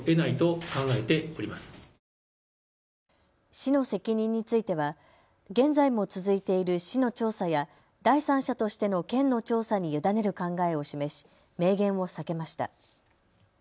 市の責任については現在も続いている市の調査や第三者としての県の調査に委ねる考えを示し明言を避けました。